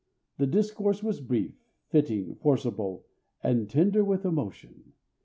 The discourse was brief, fitting, forcible, and tender with emotion.